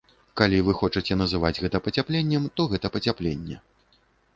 Калі вы хочаце называць гэта пацяпленнем, то гэта пацяпленне.